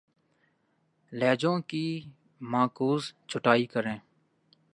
لہجوں کی معکوس چھٹائی کریں